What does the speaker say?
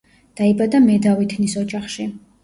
დაიბადა მედავითნის ოჯახში.